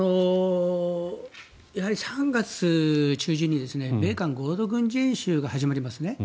やはり３月中旬に米韓合同軍事演習が始まりますね。